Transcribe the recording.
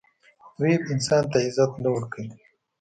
• فریب انسان ته عزت نه ورکوي.